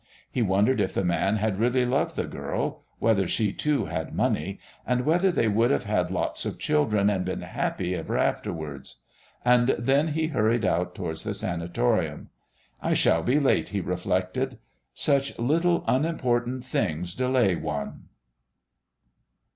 He wondered if the man had really loved the girl, whether she, too, had money, and whether they would have had lots of children and been happy ever afterwards. And then he hurried out towards the sanatorium. "I shall be late," he reflected. "Such little, unimportant things delay one...!"